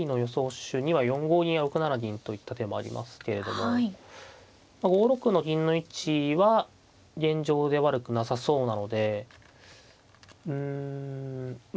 手には４五銀や６七銀といった手もありますけれども５六の銀の位置は現状で悪くなさそうなのでうんまあ